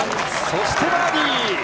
そしてバーディー。